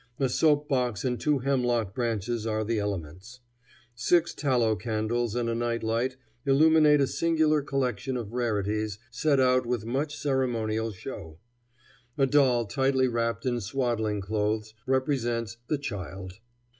A soap box and two hemlock branches are the elements. Six tallow candles and a night light illuminate a singular collection of rarities, set out with much ceremonial show. A doll tightly wrapped in swaddling clothes represents "the Child."